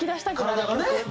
体がね。